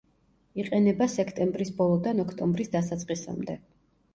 იყინება სექტემბრის ბოლოდან ოქტომბრის დასაწყისამდე.